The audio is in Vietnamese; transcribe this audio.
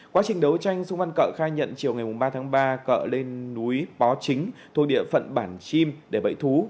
quá trình đấu tranh sung văn cợ khai nhận chiều ngày ba tháng ba cợ lên núi bó chính thuộc địa phận bản chim để bậy thú